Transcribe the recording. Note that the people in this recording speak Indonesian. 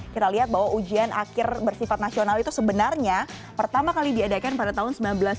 kita lihat bahwa ujian akhir bersifat nasional itu sebenarnya pertama kali diadakan pada tahun seribu sembilan ratus sembilan puluh